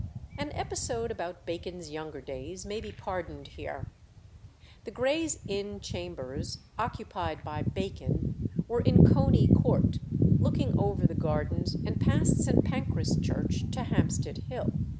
An episode about Bacon's younger days may be pardoned here. The Gray's Inn Chambers occupied by Bacon were in Coney Court, looking over the gardens and past St. Pancras Church to Hampstead Hill.